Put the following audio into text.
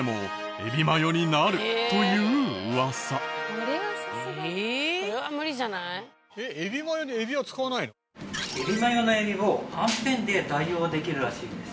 エビマヨのエビをはんぺんで代用できるらしいです。